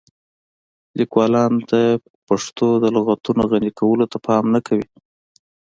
لیکوالان د پښتو د لغتونو غني کولو ته پام نه کوي.